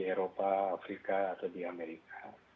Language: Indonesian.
di eropa afrika atau di amerika